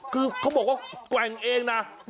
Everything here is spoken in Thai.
คือเขาบอกว่าแกว่งเองนะ